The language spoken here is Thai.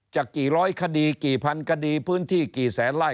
กี่ร้อยคดีกี่พันคดีพื้นที่กี่แสนไล่